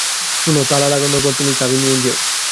শুনো, তালা লাগানোর পর, তুমি চাবি নিয়ে নিয়ো।